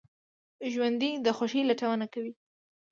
ژوندي د خوښۍ لټون کوي